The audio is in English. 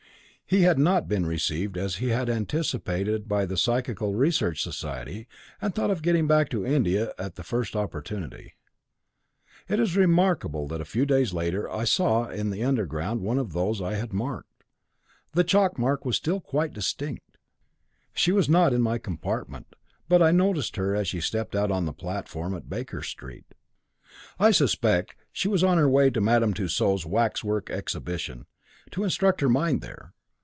He had not been received as he had anticipated by the Psychical Research Society, and thought of getting back to India at the first opportunity. "It is remarkable that, a few days later, I saw in the Underground one of those I had marked. The chalk mark was still quite distinct. She was not in my compartment, but I noticed her as she stepped out on to the platform at Baker Street. I suspect she was on her way to Madame Tussaud's waxwork exhibition, to instruct her mind there.